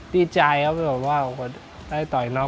ดีใจครับได้ต่อแล้ว